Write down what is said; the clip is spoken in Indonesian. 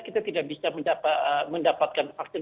kita tidak bisa mendapatkan vaksin